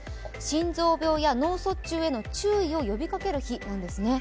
心臓病や脳卒中への注意を呼びかける日なんですね。